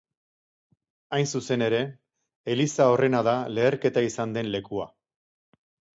Hain zuzen ere, eliza horrena da leherketa izan den lekua.